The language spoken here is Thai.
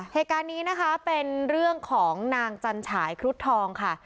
เหตุการณ์นี้นะคะเป็นเรื่องของนางจันฉายครุฑทองค่ะ